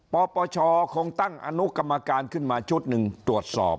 ปปชคงตั้งอนุกรรมการขึ้นมาชุดหนึ่งตรวจสอบ